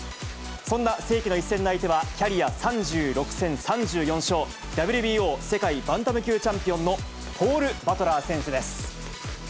そんな世紀の一戦の相手は、キャリア３６戦３４勝、ＷＢＯ世界バンタム級チャンピオンのポール・バトラー選手です。